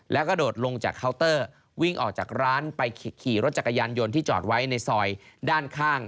แล้วก็โดดลงจากเคาน์เตอร์วิ่งออกจากร้านไปขี่รถจักรยานยนต์ที่จอดไว้ในซอยด้านข้าง